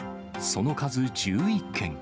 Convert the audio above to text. その数１１件。